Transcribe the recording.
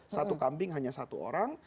satu kambing hanya satu orang